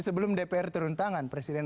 sebelum dpr turun tangan presiden